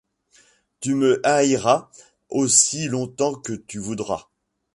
Tu me haïras aussi longtemps que tu voudras.